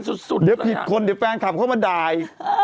เดี๋ยวผิดคนเดี๋ยวแฟนคลับเข้ามาด่าย